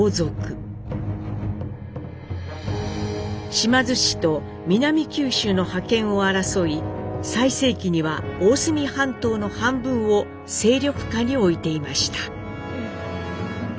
島津氏と南九州の覇権を争い最盛期には大隅半島の半分を勢力下に置いていました。